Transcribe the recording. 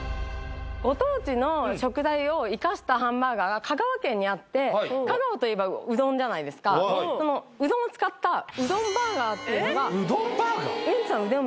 ご当地の食材を生かしたハンバーガーが香川県にあって香川といえばうどんじゃないですかでもうどんを使ったうどんバーガーっていうのがウエンツさんうどん